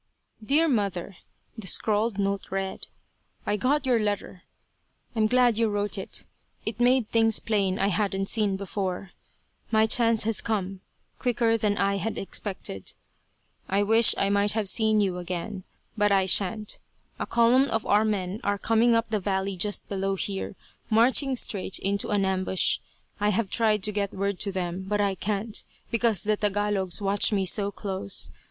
"Dear mother," the scrawled note read. "I got your letter. I'm glad you wrote it. It made things plain I hadn't seen before. My chance has come quicker than I had expected. I wish I might have seen you again, but I shan't. A column of our men are coming up the valley just below here, marching straight into an ambush. I have tried to get word to them, but I can't, because the Tagalogs watch me so close.